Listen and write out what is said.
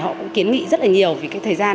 họ cũng kiến nghị rất là nhiều vì cái thời gian